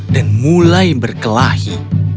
dan mulai berkelahi